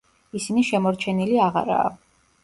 ისინი შემორჩენილი აღარაა.